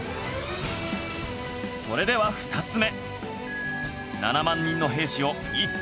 それでは２つ目